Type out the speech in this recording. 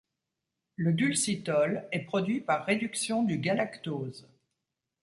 Le dulcitol est produit par réduction du galactose.